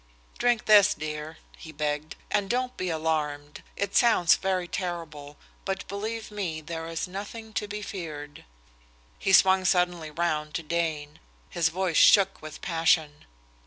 "Drink this, dear," he begged, "and don't be alarmed. It sounds very terrible, but believe me there is nothing to be feared." He swung suddenly round to Dane. His voice shook with passion.